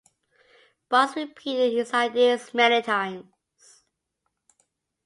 Barnes repeated his ideas many times.